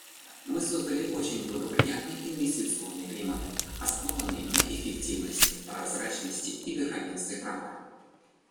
Мы создали очень благоприятный инвестиционный климат, основанный на эффективности, прозрачности и верховенстве права.